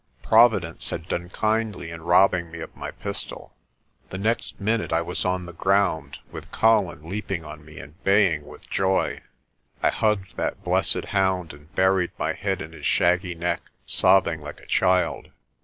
Providence had done kindly in robbing me of my pistol. The next minute I was on the ground with Colin leaping on me and baying with joy. I hugged that blessed hound and buried my head in his shaggy neck, sobbing like a child.